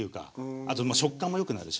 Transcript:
あと食感もよくなるし。